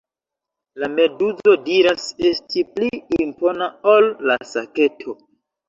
La meduzo diras esti pli impona ol la saketo.